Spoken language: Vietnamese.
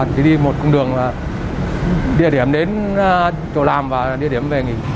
chỉ đi một cung đường là địa điểm đến chỗ làm và địa điểm về nghỉ